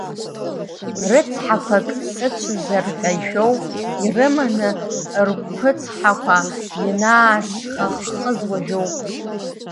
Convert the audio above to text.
Рыцҳақәак, сыцәазар ҳәа ишәоу, ирыманы ркәыцҳақәа ианаасхаххыз уажәоуп.